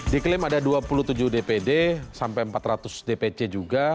diklaim ada dua puluh tujuh dpd sampai empat ratus dpc juga